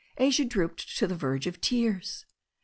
Asia drooped to the verge of tears.